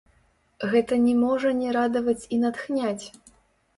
Гэта не можа не радаваць і натхняць!